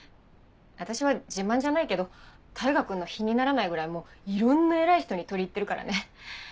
私は自慢じゃないけど大牙君の比にならないぐらいもういろんな偉い人に取り入ってるからね。